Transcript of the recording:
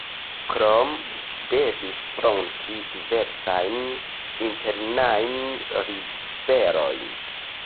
Krome li devis fronti diversajn internajn ribelojn.